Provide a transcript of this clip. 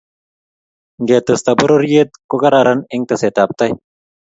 ngetesta pororiet ko kararan eng teset ab tai